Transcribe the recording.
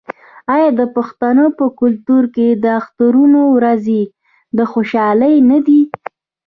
آیا د پښتنو په کلتور کې د اخترونو ورځې د خوشحالۍ نه دي؟